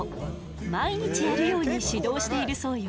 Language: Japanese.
毎日やるように指導しているそうよ。